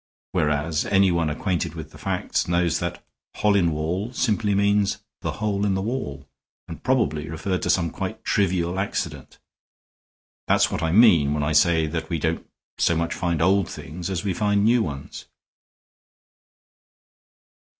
Whereas anyone acquainted with the facts knows that 'Hollinwall' simply means 'the hole in the wall,' and probably referred to some quite trivial accident. That's what I mean when I say that we don't so much find old things as we find new ones."